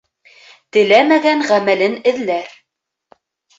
Теләмәгән ғәмәлен эҙләр.